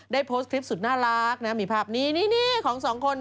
ได้โพสต์คลิปสุดน่ารักมีภาพนี้ของสองคน